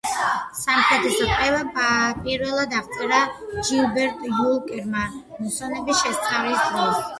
სამხრეთის რყევა პირველად აღწერა ჯილბერტ უოლკერმა მუსონების შესწავლის დროს.